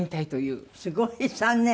すごい！３年？